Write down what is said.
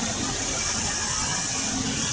kota yang terkenal dengan